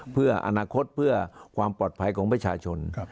เพื่ออนาคตเพื่อความปลอดภัยของประชาชน